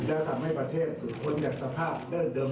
จะทำให้ประเทศสุดอยากสภาพเดิมที่เป็นอยู่เราจะทำหน้าที่นั้น